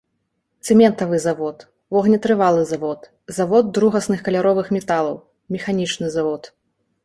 Цэментавы завод, вогнетрывалы завод, завод другасных каляровых металаў, механічны завод.